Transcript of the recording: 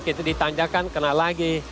kita ditanjakan kena lagi